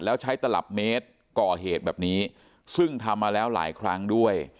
แล้วใช้ตลับเมตรก่อเหตุแบบนี้ซึ่งทำมาแล้วหลายครั้งด้วย